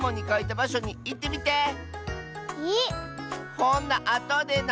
ほなあとでな。